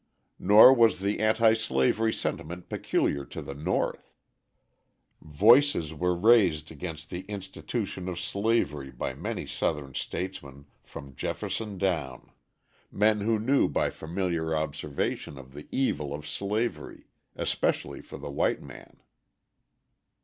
Nor was the anti slavery sentiment peculiar to the North; voices were raised against the institution of slavery by many Southern statesmen from Jefferson down men who knew by familiar observation of the evil of slavery, especially for the white man.